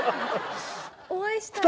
お会いしたいです。